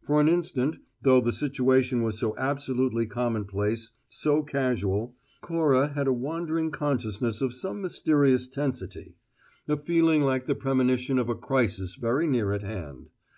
For an instant, though the situation was so absolutely commonplace, so casual, Cora had a wandering consciousness of some mysterious tensity; a feeling like the premonition of a crisis very near at hand.